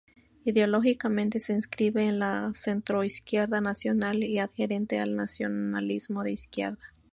Ideológicamente se inscribe en la centroizquierda nacional y adherente al nacionalismo de izquierda.